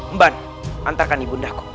mban antarkan ibu nanda ku